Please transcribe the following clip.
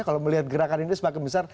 kalau melihat gerakan ini semakin besar